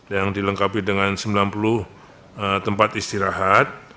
yang dilengkapi dengan sembilan puluh tempat istirahat